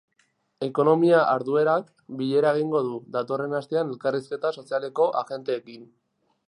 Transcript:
Ekonomia arduradunak bilera egingo du datorren astean elkarrizketa sozialeko ajenteekin.